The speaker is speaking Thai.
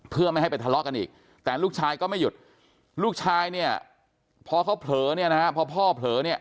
เพื่อไม่ให้ไปทะเลาะกันอีกแต่ลูกชายก็ไม่หยุดลูกชายเนี่ยพอเขาเผลอเนี่ยนะฮะพอพ่อเผลอเนี่ย